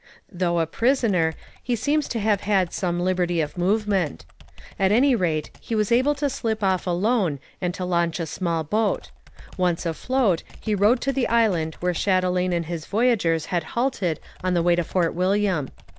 Though a prisoner, he seems to have had some liberty of movement. At any rate, he was able to slip off alone and to launch a small boat. Once afloat, he rowed to the island where Chatelain and his voyageurs had halted on the way to Fort William.